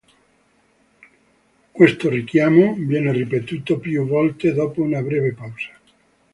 Questo richiamo viene ripetuto più volte dopo una breve pausa.